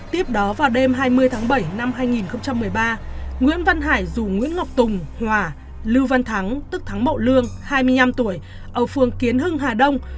tiếp đó vào đêm hai mươi tháng bảy năm hai nghìn một mươi ba nguyễn văn hải rủ nguyễn ngọc tùng hòa lưu văn thắng tức thắng mậu lương hai mươi năm tuổi ở phường kiến hưng hà đông